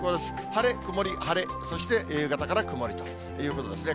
晴れ、曇り、そしてそして夕方から曇りということですね。